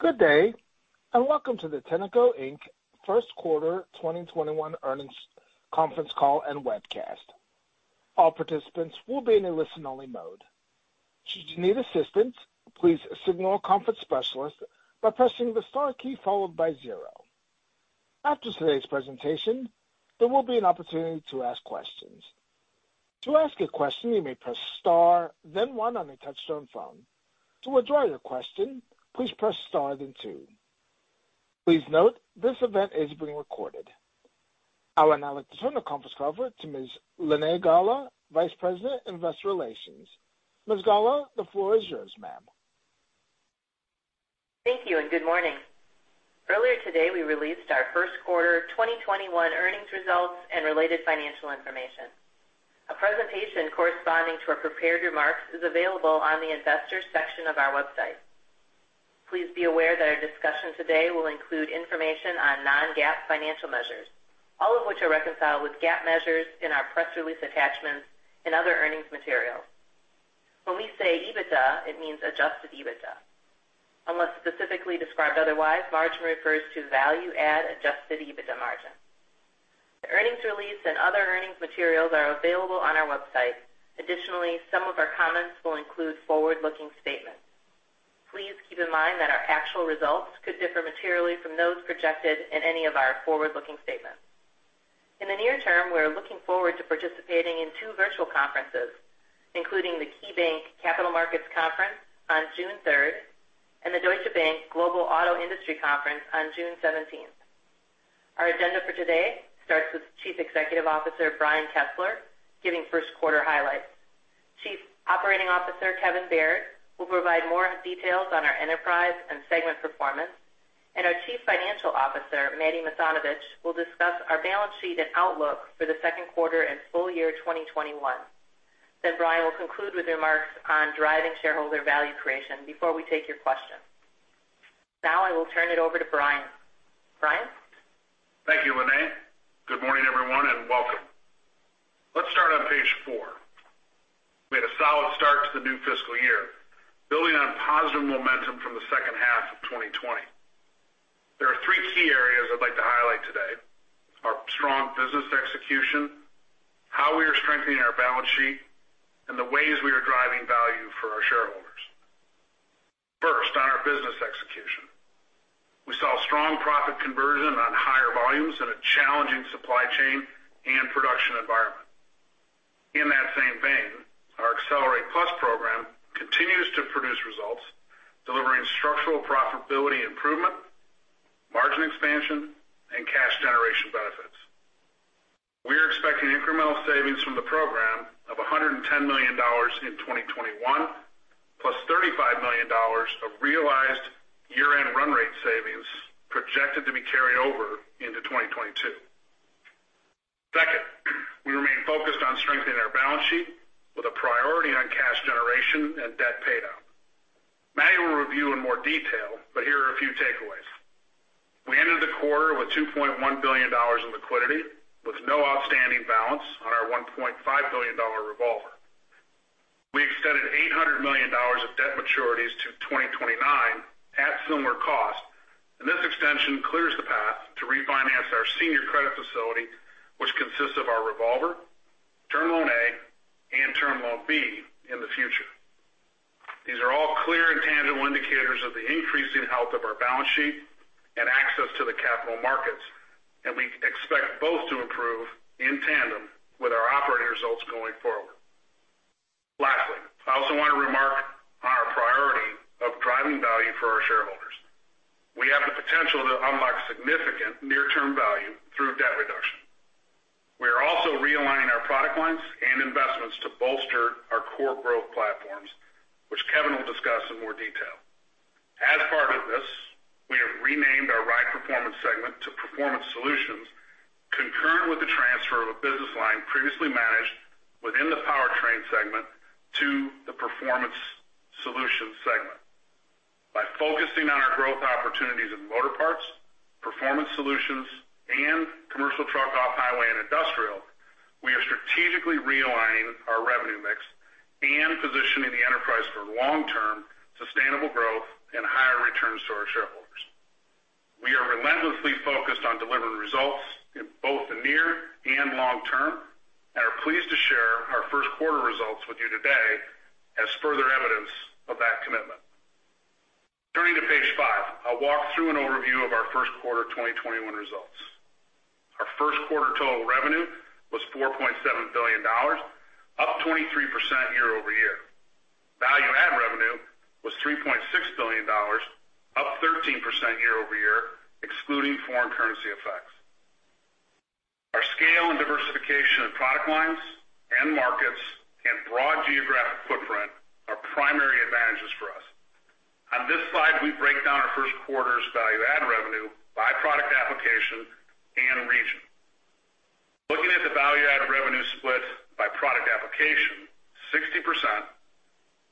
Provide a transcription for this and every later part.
Good day, and welcome to the Tenneco Inc. first quarter 2021 earnings conference call and webcast. All participants will be in a listen-only mode. I will now turn the conference over to Ms. Linae Golla, Vice President, Investor Relations. Ms. Golla, the floor is yours, ma'am. Thank you and good morning. Earlier today, we released our first quarter 2021 earnings results and related financial information. A presentation corresponding to our prepared remarks is available on the Investors section of our website. Please be aware that our discussion today will include information on non-GAAP financial measures, all of which are reconciled with GAAP measures in our press release attachments and other earnings materials. When we say EBITDA, it means adjusted EBITDA. Unless specifically described otherwise, margin refers to value add adjusted EBITDA margin. The earnings release and other earnings materials are available on our website. Additionally, some of our comments will include forward-looking statements. Please keep in mind that our actual results could differ materially from those projected in any of our forward-looking statements. In the near term, we're looking forward to participating in two virtual conferences, including the KeyBanc Capital Markets Conference on June 3rd, and the Deutsche Bank Global Auto Industry Conference on June 17th. Our agenda for today starts with Chief Executive Officer, Brian Kesseler, giving first quarter highlights. Chief Operating Officer, Kevin Baird, will provide more details on our enterprise and segment performance. Our Chief Financial Officer, Matti Masanovich, will discuss our balance sheet and outlook for the second quarter and full year 2021. Brian will conclude with remarks on driving shareholder value creation before we take your questions. Now, I will turn it over to Brian. Brian? Thank you, Linae. Good morning, everyone, and welcome. Let's start on page four. We had a solid start to the new fiscal year, building on positive momentum from the second half of 2020. There are three key areas I'd like to highlight today, our strong business execution, how we are strengthening our balance sheet, and the ways we are driving value for our shareholders. First, on our business execution. We saw strong profit conversion on higher volumes in a challenging supply chain and production environment. In that same vein, our Accelerate+ program continues to produce results, delivering structural profitability improvement, margin expansion, and cash generation benefits. We're expecting incremental savings from the program of $110 million in 2021, plus $35 million of realized year-end run rate savings projected to be carried over into 2022. Second, we remain focused on strengthening our balance sheet with a priority on cash generation and debt paydown. Matti will review in more detail, but here are a few takeaways. We ended the quarter with $2.1 billion in liquidity, with no outstanding balance on our $1.5 billion revolver. We extended $800 million of debt maturities to 2029 at similar cost. This extension clears the path to refinance our senior credit facility, which consists of our revolver, Term Loan A, and Term Loan B in the future. These are all clear and tangible indicators of the increasing health of our balance sheet and access to the capital markets. We expect both to improve in tandem with our operating results going forward. Lastly, I also want to remark on our priority of driving value for our shareholders. We have the potential to unlock significant near-term value through debt reduction. We are also realigning our product lines and investments to bolster our core growth platforms, which Kevin will discuss in more detail. As part of this, we have renamed our Ride Performance segment to Performance Solutions concurrent with the transfer of a business line previously managed within the Powertrain segment to the Performance Solutions segment. By focusing on our growth opportunities in Motorparts, Performance Solutions, and Commercial Truck, Off-Highway and Industrial, we are strategically realigning our revenue mix and positioning the enterprise for long-term sustainable growth and higher returns to our shareholders. We are relentlessly focused on delivering results in both the near and long term and are pleased to share our first quarter results with you today as further evidence of that commitment. Turning to page five, I'll walk through an overview of our first quarter 2021 results. Our Q1 total revenue was $4.7 billion, up 23% year-over-year. Value-add revenue was $3.6 billion, up 13% year-over-year, excluding foreign currency effects. Our scale and diversification of product lines and markets and broad geographic footprint are primary advantages for us. On this slide, we break down our Q1's value-add revenue by product application and region. Looking at the value-add revenue split by product application, 60%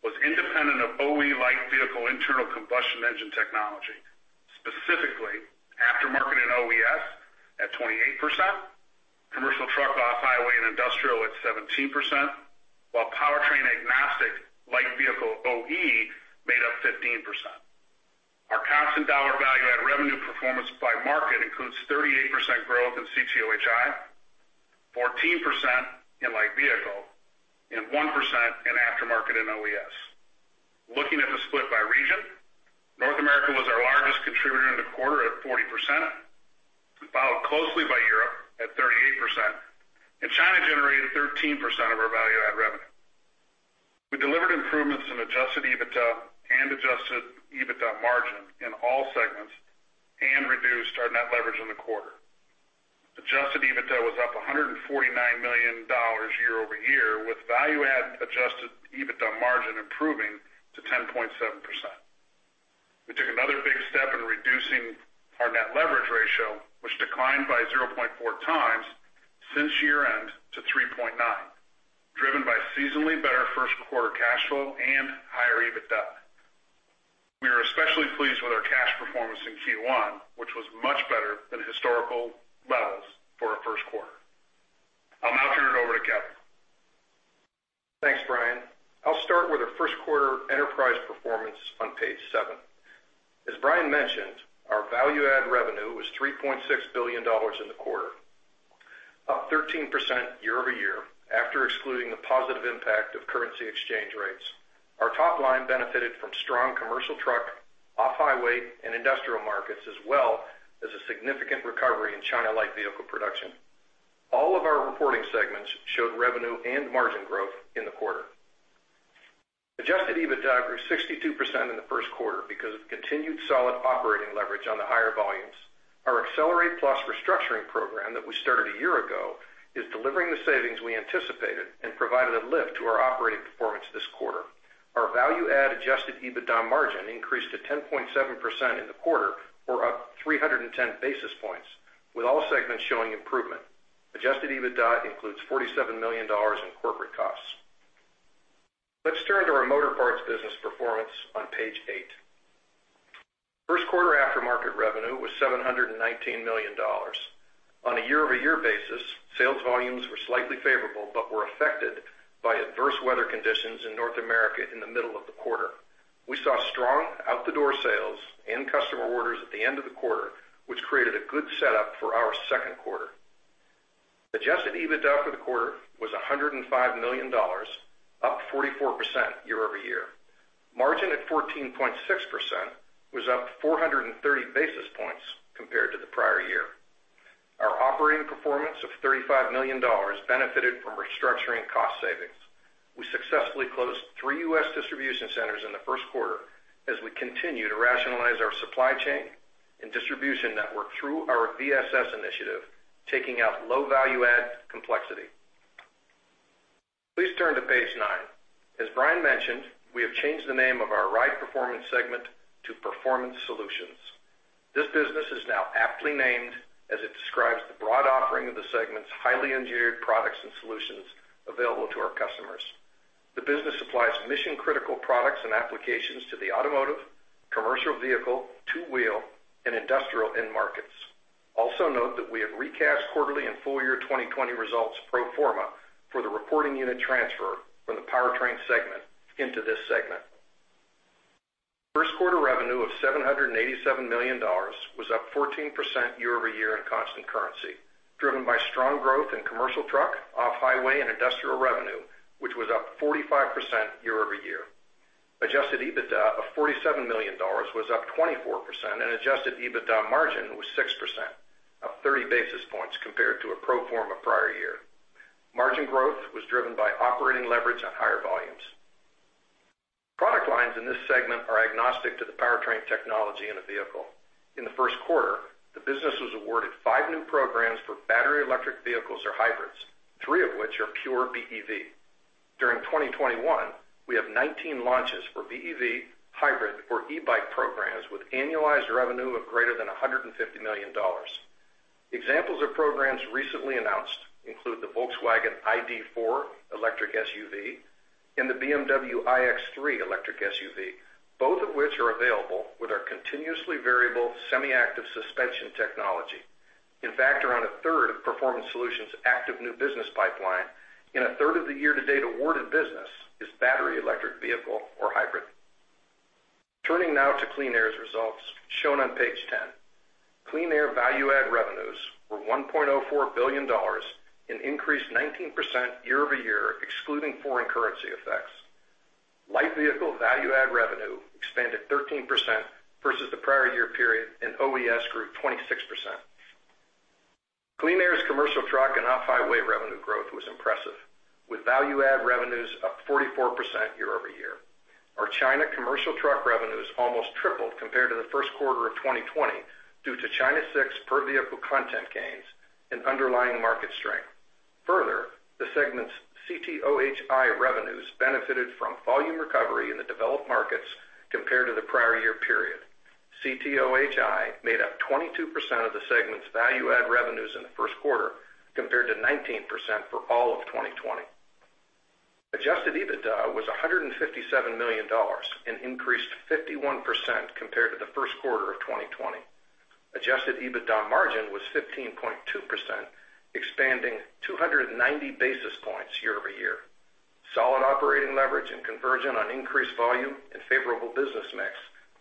was independent of OE light-vehicle internal combustion engine technology, specifically. At 28%, commercial truck, off-highway, and industrial at 17%, while powertrain-agnostic light-vehicle OE made up 15%. Our constant-dollar value-add revenue performance by market includes 38% growth in CTOHI, 14% in light-vehicle, and 1% in aftermarket and OES. Looking at the split by region, North America was our largest contributor in the quarter at 40%, followed closely by Europe at 38%, and China generated 13% of our value add revenue. We delivered improvements in adjusted EBITDA and adjusted EBITDA margin in all segments and reduced our net leverage in the quarter. Adjusted EBITDA was up $149 million year-over-year, with value add adjusted EBITDA margin improving to 10.7%. We took another big step in reducing our net leverage ratio, which declined by 0.4x since year end to 3.9, driven by seasonally better first quarter cash flow and higher EBITDA. We are especially pleased with our cash performance in Q1, which was much better than historical levels for a first quarter. I'll now turn it over to Kevin. Thanks, Brian. I'll start with our first quarter enterprise performance on page seven. As Brian mentioned, our value add revenue was $3.6 billion in the quarter, up 13% year-over-year after excluding the positive impact of currency exchange rates. Our top line benefited from strong commercial truck, off-highway, and industrial markets, as well as a significant recovery in China light vehicle production. All of our reporting segments showed revenue and margin growth in the quarter. Adjusted EBITDA grew 62% in the first quarter because of continued solid operating leverage on the higher volumes. Our Accelerate+ restructuring program that we started a year ago is delivering the savings we anticipated and provided a lift to our operating performance this quarter. Our value add adjusted EBITDA margin increased to 10.7% in the quarter or up 310 basis points, with all segments showing improvement. Adjusted EBITDA includes $47 million in corporate costs. Let's turn to our Motorparts business performance on page eight. First quarter aftermarket revenue was $719 million. On a year-over-year basis, sales volumes were slightly favorable, but were affected by adverse weather conditions in North America in the middle of the quarter. We saw strong out the door sales and customer orders at the end of the quarter, which created a good setup for our second quarter. Adjusted EBITDA for the quarter was $105 million, up 44% year-over-year. Margin at 14.6% was up 430 basis points compared to the prior year. Our operating performance of $35 million benefited from restructuring cost savings. We successfully closed three U.S. distribution centers in the first quarter as we continue to rationalize our supply chain and distribution network through our VSS initiative, taking out low value-add complexity. Please turn to page nine. As Brian mentioned, we have changed the name of our Ride Performance segment to Performance Solutions. This business is now aptly named as it describes the broad offering of the segment's highly engineered products and solutions available to our customers. The business supplies mission-critical products and applications to the automotive, commercial vehicle, two-wheel, and industrial end markets. Also note that we have recast quarterly and full year 2020 results pro forma for the reporting unit transfer from the Powertrain segment into this segment. First quarter revenue of $787 million was up 14% year-over-year in constant currency, driven by strong growth in commercial truck, off-highway, and industrial revenue, which was up 45% year-over-year. Adjusted EBITDA of $47 million was up 24%, and adjusted EBITDA margin was 6%, up 30 basis points compared to a pro forma prior year. Margin growth was driven by operating leverage on higher volumes. Product lines in this segment are agnostic to the powertrain technology in a vehicle. In the first quarter, the business was awarded five new programs for battery, electric vehicles or hybrids, three of which are pure BEV. During 2021, we have 19 launches for BEV, hybrid or e-bike programs with annualized revenue of greater than $150 million. Examples of programs recently announced include the Volkswagen ID.4 electric SUV and the BMW iX3 electric SUV, both of which are available with our continuously variable semi-active suspension technology. In fact, around a third of Performance Solutions' active new business pipeline and a third of the year to date awarded business is battery, electric vehicle or hybrid. Turning now to Clean Air's results shown on page 10. Clean Air value add revenues were $1.04 billion and increased 19% year-over-year, excluding foreign currency effects. Light vehicle value add revenue expanded 13% versus the prior year period. OEs grew 26%. Clean Air's commercial truck and off-highway revenue growth was impressive, with value add revenues up 44% year-over-year. Our China commercial truck revenues almost tripled compared to the first quarter of 2020 due to China VI per vehicle content gains and underlying market strength. The segment's CTOHI revenues benefited from volume recovery in the developed markets compared to the prior year period. CTOHI made up 22% of the segment's value add revenues in the first quarter, compared to 19% for all of 2020. Adjusted EBITDA was $157 million and increased 51% compared to the first quarter of 2020. Adjusted EBITDA margin was 15.2%, expanding 290 basis points year-over-year. Solid operating leverage and conversion on increased volume and favorable business mix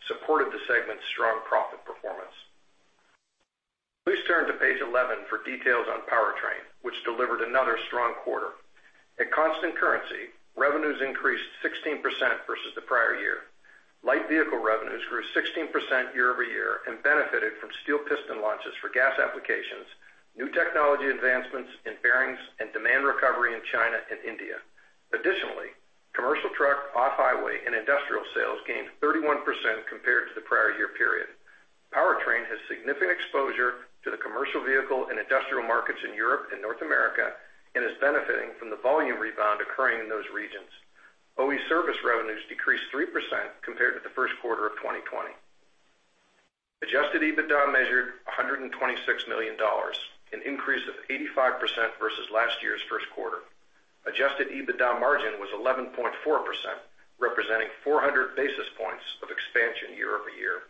supported the segment's strong profit performance. Please turn to page 11 for details on Powertrain, which delivered another strong quarter. At constant currency, revenues increased 16% versus the prior year. Light vehicle revenues grew 16% year-over-year and benefited from steel piston launches for gas applications, new technology advancements in bearings, and demand recovery in China and India. Additionally, commercial truck, off-highway, and industrial sales gained 31% compared to the prior year period. Powertrain has significant exposure to the commercial vehicle and industrial markets in Europe and North America and is benefiting from the volume rebound occurring in those regions. OE service revenues decreased 3% compared to the first quarter of 2020. Adjusted EBITDA measured $126 million, an increase of 85% versus last year's first quarter. Adjusted EBITDA margin was 11.4%, representing 400 basis points of expansion year-over-year.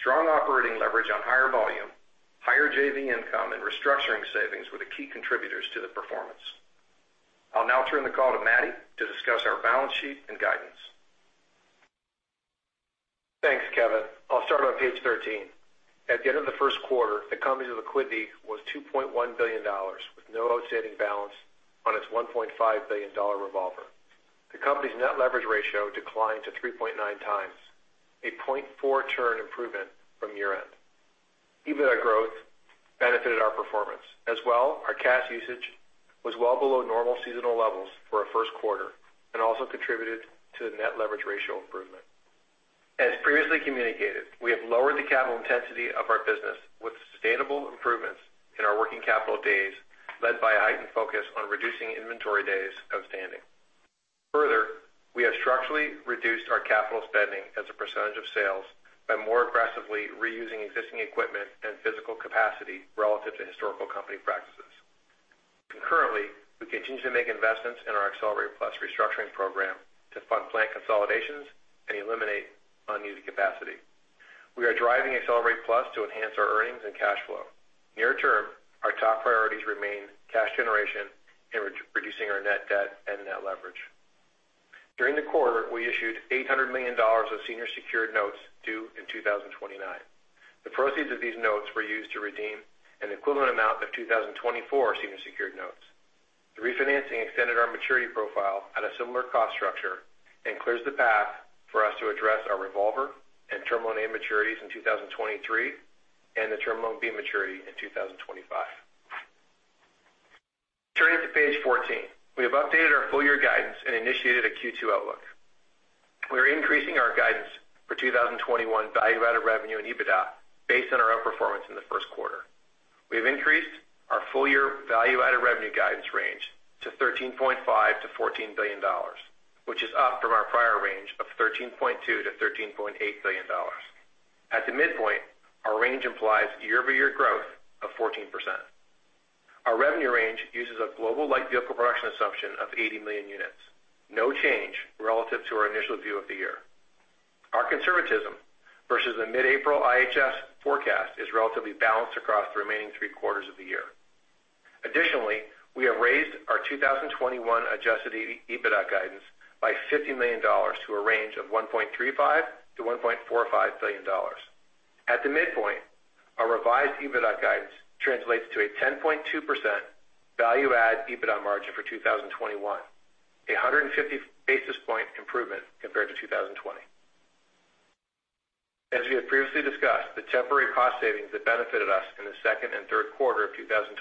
Strong operating leverage on higher volume, higher JV income, and restructuring savings were the key contributors to the performance. I'll now turn the call to Matti to discuss our balance sheet and guidance. Thanks, Kevin. I'll start on page 13. At the end of the first quarter, the company's liquidity was $2.1 billion, with no outstanding balance on its $1.5 billion revolver. The company's net leverage ratio declined to 3.9x, a 0.4 turn improvement from year end. EBITDA growth benefited our performance. As well, our cash usage was well below normal seasonal levels for our first quarter and also contributed to the net leverage ratio improvement. As previously communicated, we have lowered the capital intensity of our business with sustainable improvements in our working capital days led by a heightened focus on reducing inventory days outstanding. Further, we have structurally reduced our capital spending as a percentage of sales by more aggressively reusing existing equipment and physical capacity relative to historical company practices. We continue to make investments in our Accelerate+ restructuring program to fund plant consolidations and eliminate unused capacity. We are driving Accelerate+ to enhance our earnings and cash flow. Near term, our top priorities remain cash generation and reducing our net debt and net leverage. During the quarter, we issued $800 million of senior secured notes due in 2029. The proceeds of these notes were used to redeem an equivalent amount of 2024 senior secured notes. The refinancing extended our maturity profile at a similar cost structure and clears the path for us to address our revolver and Term Loan A maturities in 2023 and the Term Loan B maturity in 2025. Turning to page 14, we have updated our full year guidance and initiated a Q2 outlook. We are increasing our guidance for 2021 value added revenue and EBITDA based on our outperformance in the first quarter. We have increased our full year value added revenue guidance range to $13.5 billion-$14 billion, which is up from our prior range of $13.2 billion-$13.8 billion. At the midpoint, our range implies year-over-year growth of 14%. Our revenue range uses a global light vehicle production assumption of 80 million units, no change relative to our initial view of the year. Our conservatism versus the mid-April IHS forecast is relatively balanced across the remaining three quarters of the year. Additionally, we have raised our 2021 adjusted EBITDA guidance by $50 million to a range of $1.35 billion-$1.45 billion. At the midpoint, our revised EBITDA guidance translates to a 10.2% value add EBITDA margin for 2021, a 150 basis point improvement compared to 2020. As we had previously discussed, the temporary cost savings that benefited us in the second and third quarter of 2020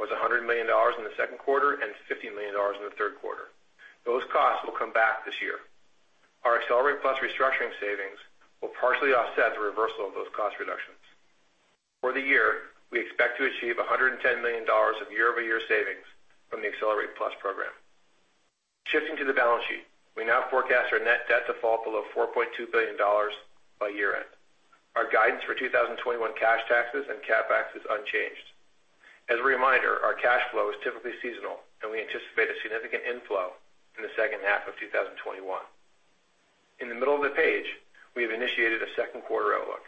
was $100 million in the second quarter and $50 million in the third quarter. Those costs will come back this year. Our Accelerate+ restructuring savings will partially offset the reversal of those cost reductions. For the year, we expect to achieve $110 million of year-over-year savings from the Accelerate+ program. Shifting to the balance sheet, we now forecast our net debt to fall below $4.2 billion by year end. Our guidance for 2021 cash taxes and CapEx is unchanged. As a reminder, our cash flow is typically seasonal, and we anticipate a significant inflow in the second half of 2021. In the middle of the page, we have initiated a second quarter outlook.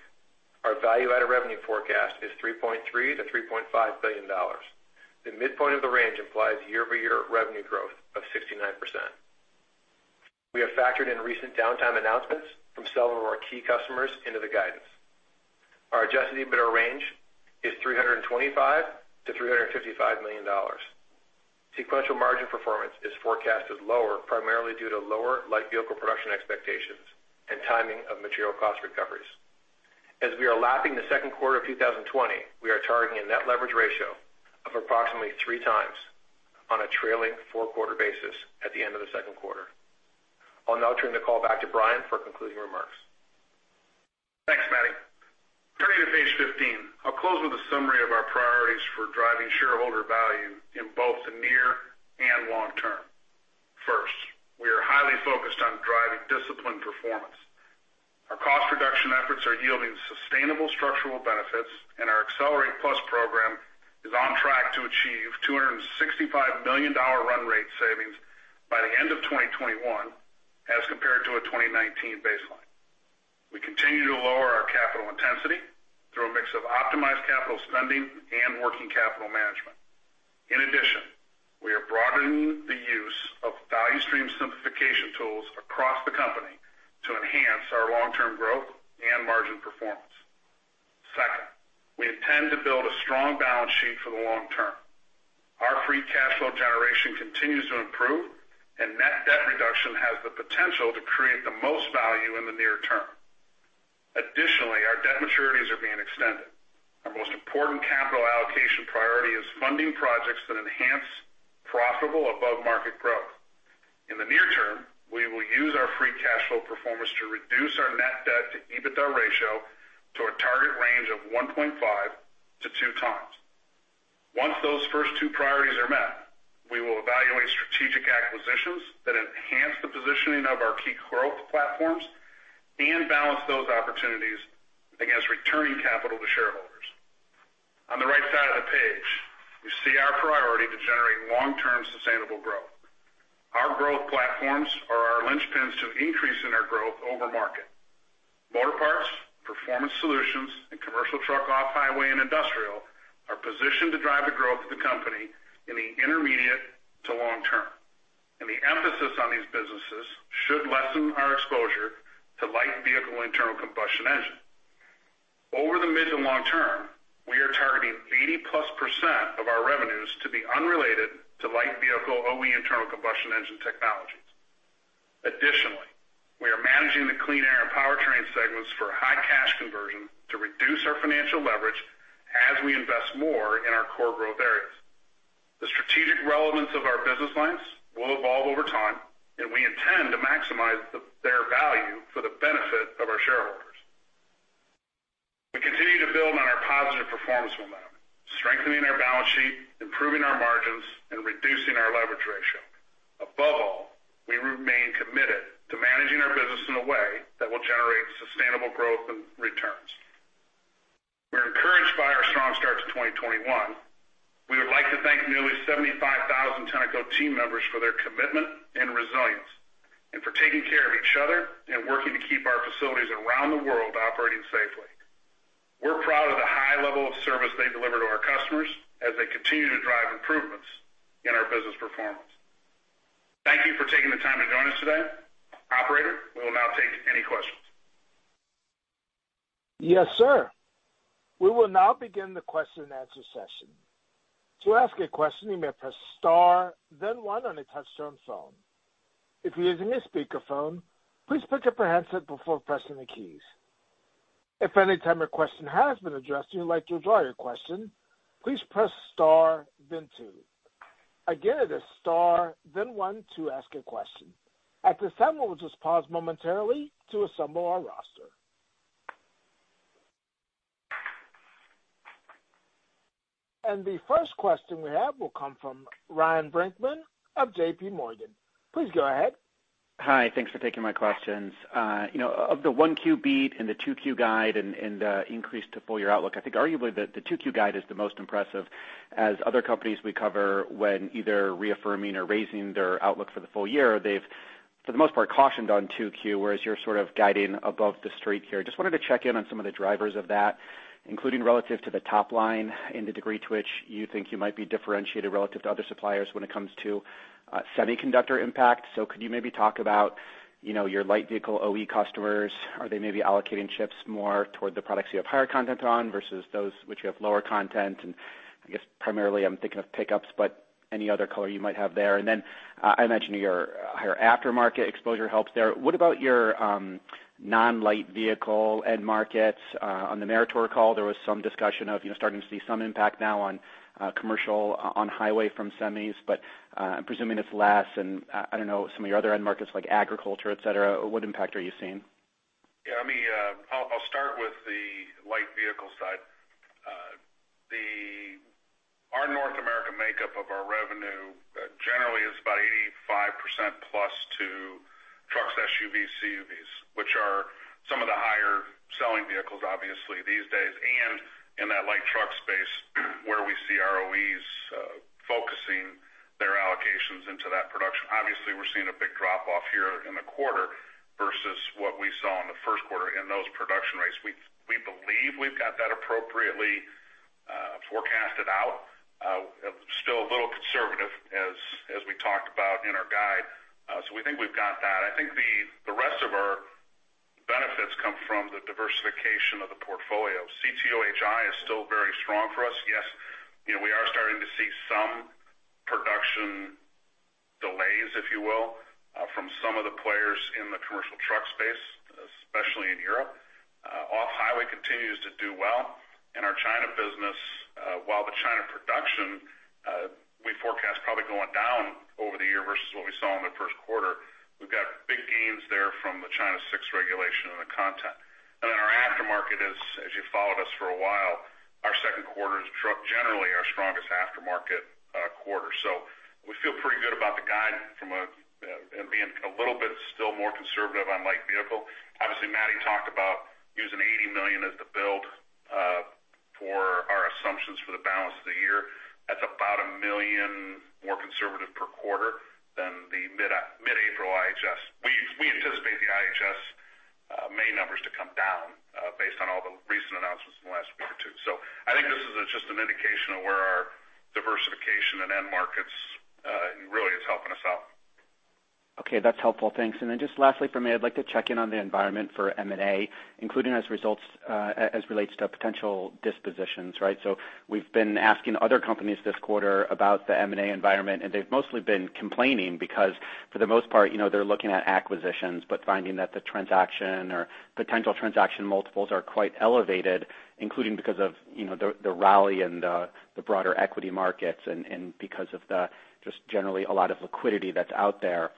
Our value added revenue forecast is $3.3 billion-$3.5 billion. The midpoint of the range implies year-over-year revenue growth of 69%. We have factored in recent downtime announcements from several of our key customers into the guidance. Our adjusted EBITDA range is $325 million-$355 million. Sequential margin performance is forecasted lower, primarily due to lower light vehicle production expectations and timing of material cost recoveries. As we are lapping the second quarter of 2020, we are targeting a net leverage ratio of approximately 3x on a trailing 4-quarter basis at the end of the second quarter. I'll now turn the call back to Brian for concluding remarks. Thanks, Matti. Turning to page 15, I'll close with a summary of our priorities for driving shareholder value in both the near and long term. First Highly focused on driving disciplined performance. Our cost reduction efforts are yielding sustainable structural benefits, and our Accelerate+ program is on track to achieve $265 million run rate savings by the end of 2021 as compared to a 2019 baseline. We continue to lower our capital intensity through a mix of optimized capital spending and working capital management. In addition, we are broadening the use of value stream simplification tools across the company to enhance our long-term growth and margin performance. Second, we intend to build a strong balance sheet for the long term. Our free cash flow generation continues to improve, and net debt reduction has the potential to create the most value in the near term. Additionally, our debt maturities are being extended. Our most important capital allocation priority is funding projects that enhance profitable above-market growth.In the near term, we will use our free cash flow performance to reduce our net debt to EBITDA ratio to a target range of 1.5 to two times. Once those first two priorities are met, we will evaluate strategic acquisitions that enhance the positioning of our key growth platforms and balance those opportunities against returning capital to shareholders. On the right side of the page, you see our priority to generate long-term sustainable growth. Our growth platforms are our linchpins to increasing our growth over market. Motorparts, Performance Solutions, and Commercial Truck Off-Highway and Industrial are positioned to drive the growth of the company in the intermediate to long term, and the emphasis on these businesses should lessen our exposure to light vehicle internal combustion engine. Over the mid to long term, we are targeting 80%+ of our revenues to be unrelated to light vehicle OE internal combustion engine technologies. Additionally, we are managing the Clean Air and Powertrain segments for high cash conversion to reduce our financial leverage as we invest more in our core growth areas. The strategic relevance of our business lines will evolve over time, and we intend to maximize their value for the benefit of our shareholders. We continue to build on our positive performance momentum, strengthening our balance sheet, improving our margins, and reducing our leverage ratio. Above all, we remain committed to managing our business in a way that will generate sustainable growth and returns. We're encouraged by our strong start to 2021. We would like to thank nearly 75,000 Tenneco team members for their commitment and resilience and for taking care of each other and working to keep our facilities around the world operating safely. We're proud of the high level of service they deliver to our customers as they continue to drive improvements in our business performance. Thank you for taking the time to join us today. Operator, we will now take any questions. Yes, sir. We will now begin the question and answer session. To ask a question, you may press star then one on a touch-tone phone. If you're using a speakerphone, please pick up your handset before pressing the keys. If at any time your question has been addressed, or you'd like to withdraw your question, please press star then two. Again, it is star then one to ask a question. At this time, we'll just pause momentarily to assemble our roster. The first question we have will come from Ryan Brinkman of J.P. Morgan. Please go ahead. Hi. Thanks for taking my questions. Of the Q1 beat and the Q2 guide and the increase to full year outlook, I think arguably the Q2 guide is the most impressive as other companies we cover when either reaffirming or raising their outlook for the full year, they've for the most part cautioned on Q2, whereas you're sort of guiding above the street here. Just wanted to check in on some of the drivers of that, including relative to the top line and the degree to which you think you might be differentiated relative to other suppliers when it comes to semiconductor impact. Could you maybe talk about your light vehicle OE customers? Are they maybe allocating chips more toward the products you have higher content on versus those which you have lower content? I guess primarily I'm thinking of pickups, but any other color you might have there. I imagine your higher aftermarket exposure helps there. What about your non-light vehicle end markets? On the Meritor call, there was some discussion of starting to see some impact now on commercial on highway from semis, but I'm presuming it's less and I don't know some of your other end markets like agriculture, et cetera, what impact are you seeing? Yeah. I'll start with the light vehicle side. Our North American makeup of our revenue generally is about 85% plus to trucks, SUVs, CUVs, which are some of the higher selling vehicles obviously these days, and in that light truck space where we see OEs focusing their allocations into that production. Obviously, we're seeing a big drop-off here in the quarter versus what we saw in the first quarter in those production rates. We believe we've got that appropriately forecasted out. Still a little conservative as we talked about in our guide. We think we've got that. I think the rest of our benefits come from the diversification of the portfolio. CTOHI is still very strong for us. Yes, we are starting to see some production delays, if you will, from some of the players in the commercial truck space, especially in Europe. Off-highway continues to do well. Our China business, while the China production we forecast probably going down over the year versus what we saw in the first quarter, we've got big gains there from the China VI regulation and the content. Our aftermarket, as you followed us for a while, our second quarter is generally our strongest aftermarket quarter. Pretty good about the guide from being a little bit still more conservative on light vehicle. Obviously, Matti talked about using 80 million as the build for our assumptions for the balance of the year. That's about 1 million more conservative per quarter than the mid-April IHS. We anticipate the IHS May numbers to come down based on all the recent announcements in the last week or two. I think this is just an indication of where our diversification in end markets really is helping us out. Okay. That's helpful. Thanks. Just lastly from me, I'd like to check in on the environment for M&A, including as relates to potential dispositions. We've been asking other companies this quarter about the M&A environment, and they've mostly been complaining because, for the most part, they're looking at acquisitions, but finding that the transaction or potential transaction multiples are quite elevated, including because of the rally in the broader equity markets and because of just generally a lot of liquidity that's out there.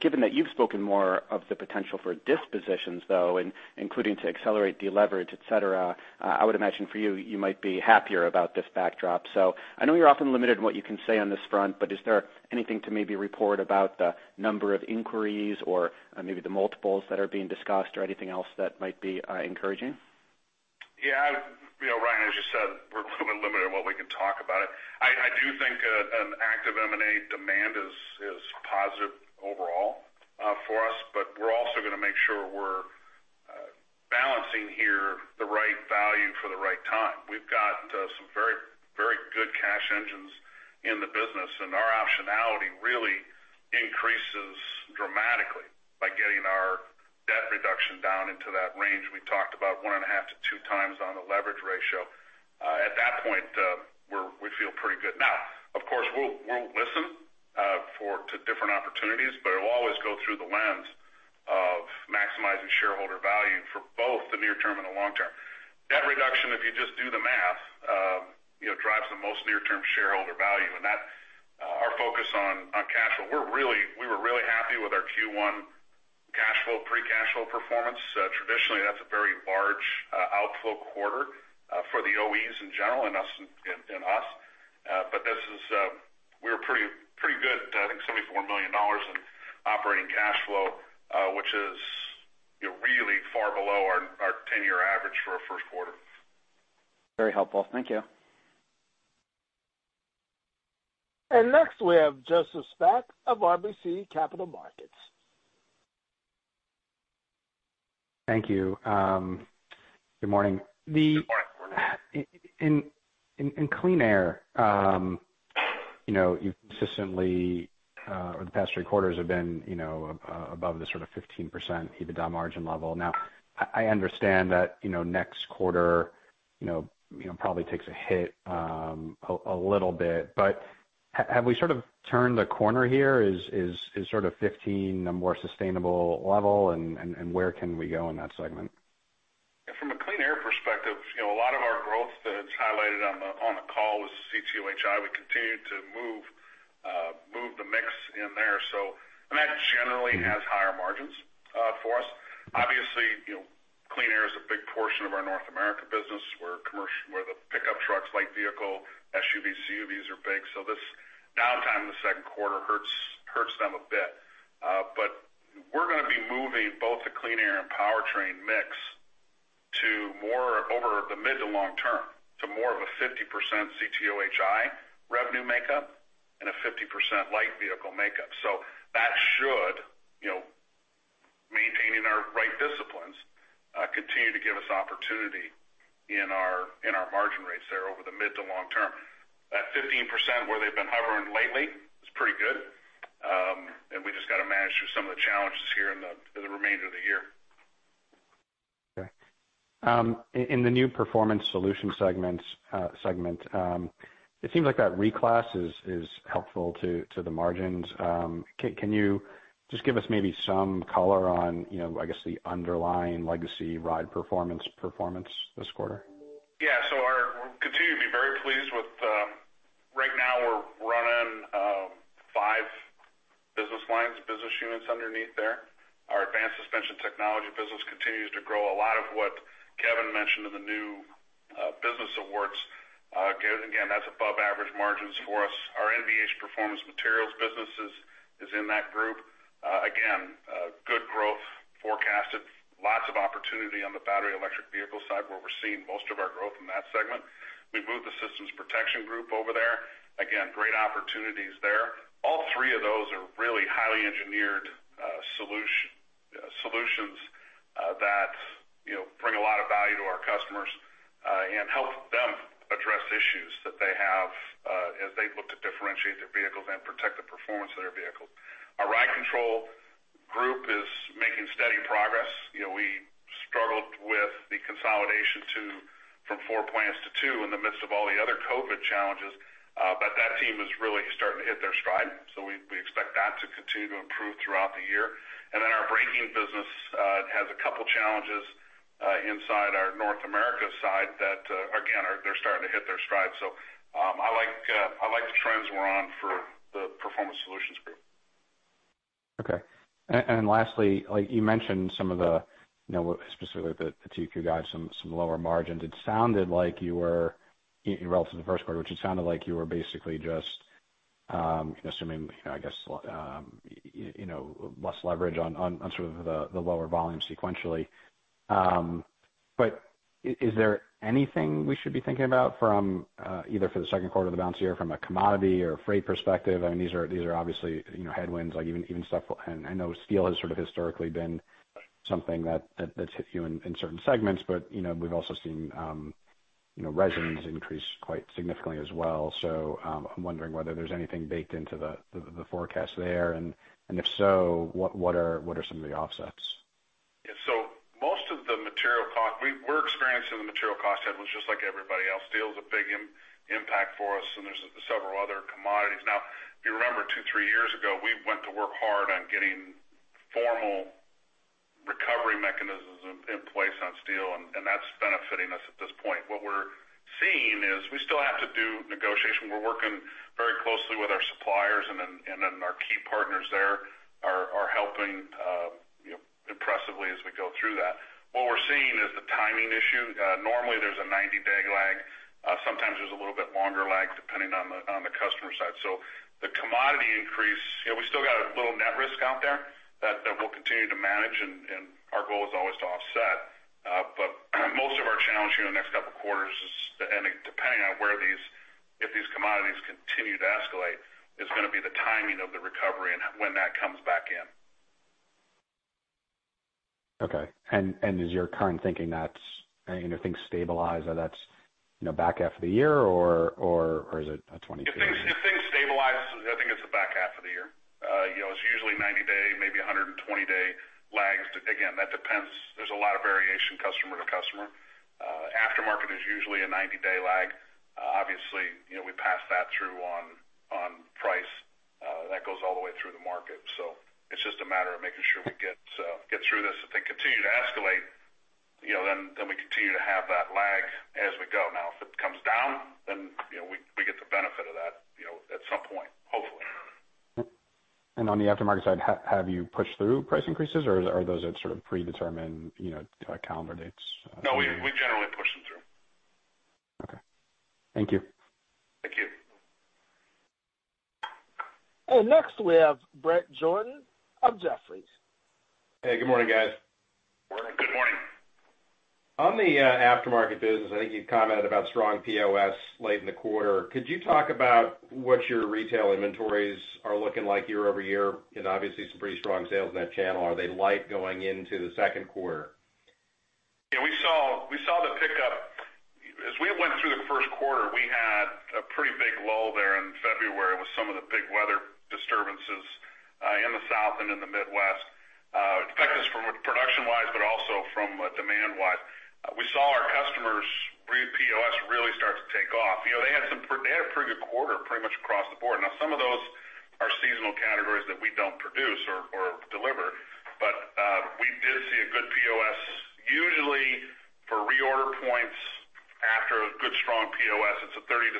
Given that you've spoken more of the potential for dispositions, though, including to accelerate deleverage, et cetera, I would imagine for you might be happier about this backdrop. I know you're often limited in what you can say on this front, but is there anything to maybe report about the number of inquiries or maybe the multiples that are being discussed or anything else that might be encouraging? Yeah. Ryan, as you said, we're a little bit limited in what we can talk about it. I do think an active M&A demand is positive overall for us, we're also going to make sure we're balancing here the right value for the right time. We've got some very good cash engines in the business, our optionality really increases dramatically by getting our debt reduction down into that range. We talked about 1.5x-2x on the leverage ratio. At that point, we feel pretty good. Of course, we'll listen to different opportunities, it'll always go through the lens of maximizing shareholder value for both the near term and the long term. Debt reduction, if you just do the math, drives the most near-term shareholder value, our focus on cash flow. We were really happy with our Q1 cash flow, free cash flow performance. Traditionally, that's a very large outflow quarter for the OEs in general and us, but we were pretty good. I think $74 million in operating cash flow, which is really far below our 10-year average for a first quarter. Very helpful. Thank you. Next, we have Joseph Spak of RBC Capital Markets. Thank you. Good morning. Good morning. In Clean Air, you've consistently, or the past three quarters have been above the sort of 15% EBITDA margin level. Now, I understand that next quarter probably takes a hit a little bit, but have we sort of turned the corner here? Is sort of 15 a more sustainable level, and where can we go in that segment? From a Clean Air perspective, a lot of our growth that's highlighted on the call was CTOHI. We continued to move the mix in there, and that generally has higher margins for us. Obviously, Clean Air is a big portion of our North America business, where the pickup trucks, light vehicle, SUVs, CUVs are big. This downtime in the second quarter hurts them a bit. We're going to be moving both the Clean Air and Powertrain mix over the mid to long term to more of a 50% CTOHI revenue makeup and a 50% light vehicle makeup. That should, maintaining our right disciplines, continue to give us opportunity in our margin rates there over the mid to long term. That 15% where they've been hovering lately is pretty good, and we've just got to manage through some of the challenges here in the remainder of the year. Okay. In the new Performance Solutions segment, it seems like that reclass is helpful to the margins. Can you just give us maybe some color on, I guess, the underlying legacy Ride Performance this quarter? Yeah. We continue to be very pleased with. Right now we're running five business lines, business units underneath there. Our Advanced Suspension Technologies business continues to grow. A lot of what Kevin mentioned in the new business awards, again, that's above average margins for us. Our NVH Performance Materials business is in that group. Again, good growth forecasted, lots of opportunity on the battery electric vehicle side where we're seeing most of our growth in that segment. We've moved the Systems Protection group over there. Again, great opportunities there. All three of those are really highly engineered solutions that bring a lot of value to our customers and help them address issues that they have as they look to differentiate their vehicles and protect the performance of their vehicles. Our Ride Performance group is making steady progress. We struggled with the consolidation from four plants to two in the midst of all the other COVID challenges, but that team is really starting to hit their stride. We expect that to continue to improve throughout the year. Our braking business has a couple challenges inside our North America side that, again, they're starting to hit their stride. I like the trends we're on for the Performance Solutions group. Okay. Lastly, you mentioned some of the, specifically the Q2 guides, some lower margins. It sounded like you were, relative to the first quarter, which it sounded like you were basically just assuming, I guess, less leverage on sort of the lower volume sequentially. Is there anything we should be thinking about from either for the second quarter of the full year from a commodity or freight perspective? I mean, these are obviously headwinds, even stuff. I know steel has sort of historically been something that's hit you in certain segments, but we've also seen resins increase quite significantly as well. I'm wondering whether there's anything baked into the forecast there, and if so, what are some of the offsets? Yeah. Most of the material cost. We're experiencing the material cost headwind just like everybody else. Steel is a big impact for us, and there's several other commodities. Now, if you remember, two, three years ago, we went to work hard on getting formal recovery mechanisms in place on steel, and that's benefiting us at this point. What we're seeing is we still have to do negotiation. We're working very closely with our suppliers, and then our key partners there are helping impressively as we go through that. What we're seeing is the timing issue. Normally there's a 90-day lag. Sometimes there's a little bit longer lag, depending on the customer side. The commodity increase, we still got a little net risk out there that we'll continue to manage, and our goal is always to offset. Most of our challenge here in the next couple of quarters is, and depending on if these commodities continue to escalate, is going to be the timing of the recovery and when that comes back in. Okay. Is your current thinking that things stabilize or it's back half of the year, or is it a 2022? If things stabilize, I think it's the back half of the year. It's usually 90-day, maybe 120-day lags. Again, that depends. There's a lot of variation customer to customer. Aftermarket is usually a 90-day lag. Obviously, we pass that through on price. That goes all the way through the market. So it's just a matter of making sure we get through this. If they continue to escalate, then we continue to have that lag as we go. Now, if it comes down, then we get the benefit of that at some point, hopefully. On the aftermarket side, have you pushed through price increases or are those at sort of predetermined calendar dates? No, we generally push them through. Okay. Thank you. Thank you. Next we have Bret Jordan of Jefferies. Hey, good morning, guys. Morning. Good morning. On the aftermarket business, I think you commented about strong POS late in the quarter. Could you talk about what your retail inventories are looking like year-over-year? Obviously, some pretty strong sales in that channel. Are they light going into the second quarter? Yeah, we saw the pickup. As we went through the first quarter, we had a pretty big lull there in February with some of the big weather disturbances in the South and in the Midwest. It affected us from production-wise, but also from demand-wise. We saw our customers read POS really start to take off. They had a pretty good quarter pretty much across the board. Now some of those are seasonal categories that we don't produce or deliver. We did see a good POS. Usually for reorder points after a good strong POS, it's a 30-60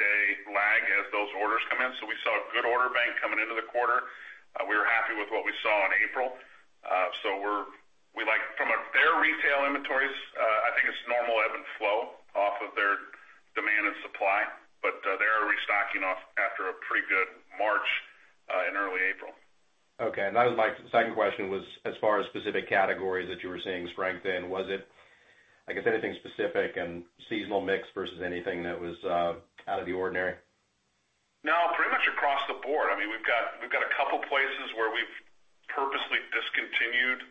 day lag as those orders come in. We saw a good order bank coming into the quarter. We were happy with what we saw in April. From their retail inventories, I think it's normal ebb and flow off of their demand and supply, but they are restocking off after a pretty good March and early April. Okay. That was my second question was as far as specific categories that you were seeing strength in, was it I guess anything specific and seasonal mix versus anything that was out of the ordinary? No, pretty much across the board. I mean, we've got a couple places where we've purposely discontinued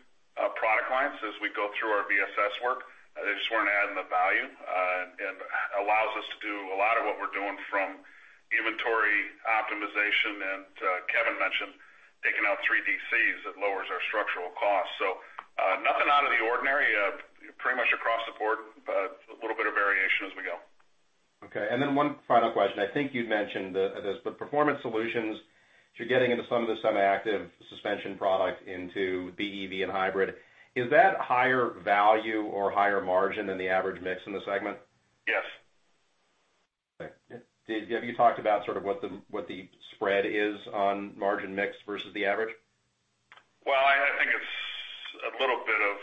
product lines as we go through our VSS work. They just weren't adding the value and allows us to do a lot of what we're doing from inventory optimization and Kevin mentioned taking out three DCs, it lowers our structural costs. Nothing out of the ordinary, pretty much across the board, but a little bit of variation as we go. Okay. One final question. I think you'd mentioned this, but Performance Solutions, you're getting into some of the semi-active suspension product into BEV and hybrid. Is that higher value or higher margin than the average mix in the segment? Yes. Okay. Have you talked about sort of what the spread is on margin mix versus the average? Well, I think it's a little bit of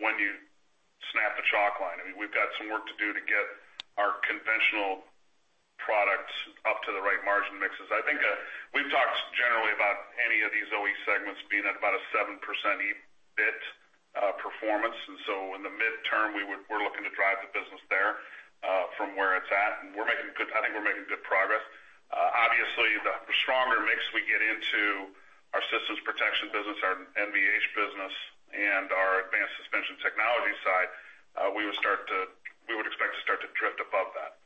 when you snap the chalk line. I mean, we've got some work to do to get our conventional products up to the right margin mixes. I think we've talked generally about any of these OE segments being at about a 7% EBIT performance. In the midterm, we're looking to drive the business there from where it's at, and I think we're making good progress. Obviously, the stronger mix we get into our Systems Protection business, our NVH business, and our Advanced Suspension Technologies side, we would expect to start to drift above that.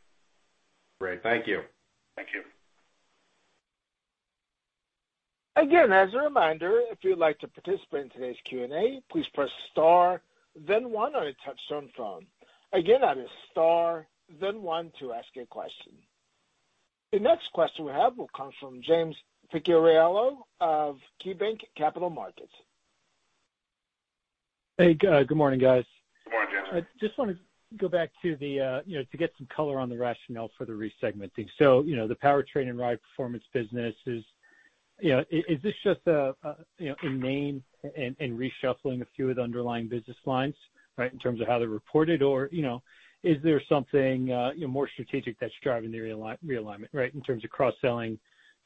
Great. Thank you. Thank you. Again, as a reminder, if you'd like to participate in today's Q&A, please press star then one on a touch-tone phone. Again, that is star then one to ask a question. The next question we have will come from James Picariello of KeyBanc Capital Markets. Hey, good morning, guys. Good morning, James. I just want to go back to get some color on the rationale for the re-segmenting. The Powertrain and Ride Performance business, is this just in name and reshuffling a few of the underlying business lines, right, in terms of how they're reported? Or is there something more strategic that's driving the realignment, right, in terms of cross-selling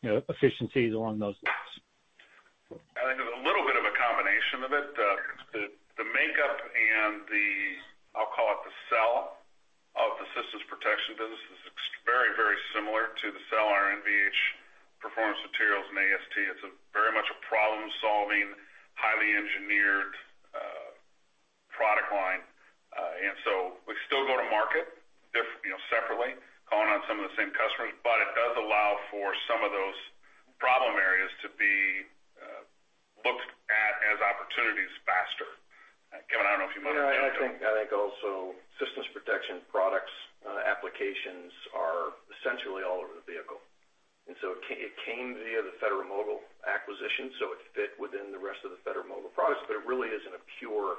efficiencies along those lines? I think there's a little bit of a combination of it. The makeup and the, I'll call it the sell of the Systems Protection business is very similar to the sell our NVH Performance Materials and AST. It's very much a problem-solving, highly engineered product line. We still go to market separately, calling on some of the same customers, but it does allow for some of those problem areas to be looked at as opportunities faster. Kevin, I don't know if you might add to that. Yeah, I think also Systems Protection products applications are essentially all over the vehicle. It came via the Federal-Mogul acquisition, so it fit within the rest of the Federal-Mogul products, but it really isn't a pure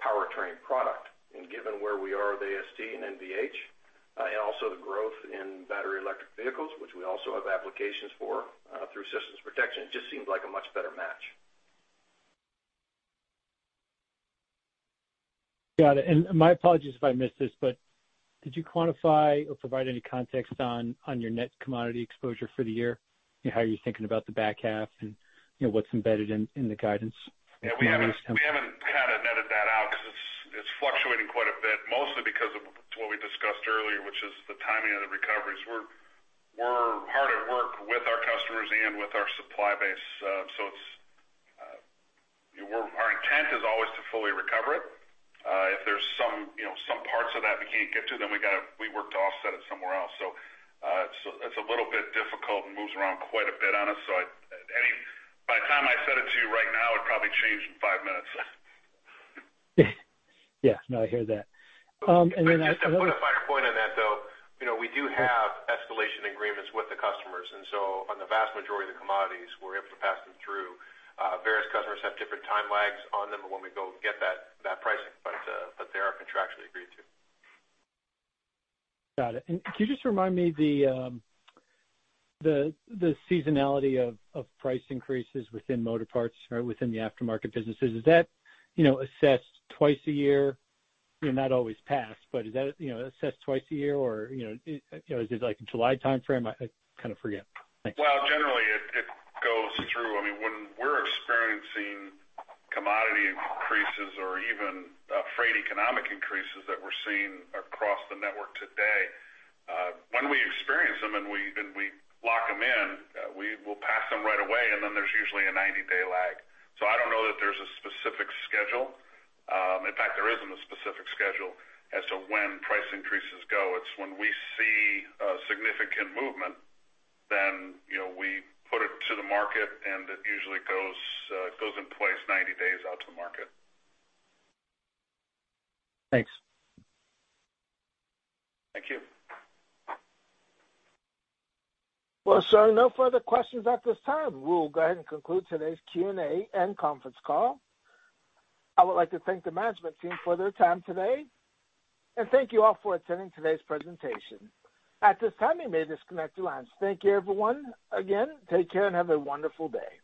Powertrain product. Given where we are with AST and NVH and also the growth in battery electric vehicles, which we also have applications for through Systems Protection, it just seemed like a much better match. Got it. My apologies if I missed this, but did you quantify or provide any context on your net commodity exposure for the year? How are you thinking about the back half and what's embedded in the guidance? Yeah, we haven't kind of netted that out because it's fluctuating quite a bit, mostly because of what we discussed earlier, which is the timing of the recoveries. We're hard at work with our customers and with our supply base. Our intent is always to fully recover it. If there's some parts of that we can't get to, we work to offset it somewhere else. It's a little bit difficult and moves around quite a bit on us. By the time I said it to you right now, it probably changed in five minutes. Yeah. No, I hear that. Just to put a finer point on that, though, we do have escalation agreements with the customers, on the vast majority of the commodities, we're able to pass them through. Various customers have different time lags on them when we go get that pricing. They are contractually agreed to. Got it. Could you just remind me the seasonality of price increases within Motorparts or within the aftermarket businesses? Is that assessed twice a year? Not always passed, but is that assessed twice a year or is it like a July timeframe? I kind of forget. Thanks. Well, generally, it goes through. When we're experiencing commodity increases or even freight economic increases that we're seeing across the network today, when we experience them and we lock them in, we will pass them right away, and then there's usually a 90-day lag. I don't know that there's a specific schedule. In fact, there isn't a specific schedule as to when price increases go. It's when we see a significant movement, then we put it to the market, and it usually goes in place 90 days out to the market. Thanks. Thank you. Well, sir, no further questions at this time. We'll go ahead and conclude today's Q&A and conference call. I would like to thank the management team for their time today, and thank you all for attending today's presentation. At this time, you may disconnect your lines. Thank you everyone. Again, take care and have a wonderful day.